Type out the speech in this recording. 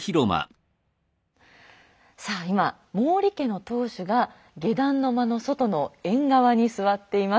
さあ今毛利家の当主が下段の間の外の縁側に座っています。